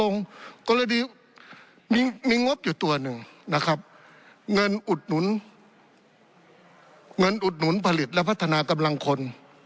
เงินอุดหนุนผลิตและพัฒนากำลังคน